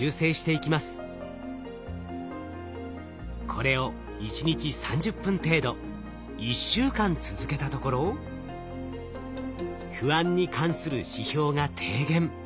これを１日３０分程度１週間続けたところ不安に関する指標が低減。